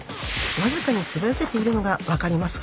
僅かに滑らせているのが分かりますか？